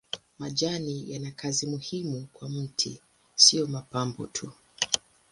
Majani yana kazi muhimu kwa mti si mapambo tu.